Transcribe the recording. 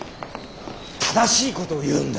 正しいことを言うんだ。